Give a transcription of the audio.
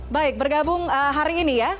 baik bergabung hari ini ya